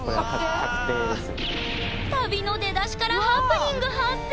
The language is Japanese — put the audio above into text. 旅の出だしからハプニング発生！